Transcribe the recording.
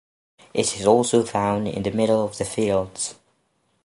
It is also found in the middle of the fields.